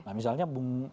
nah misalnya bung saleh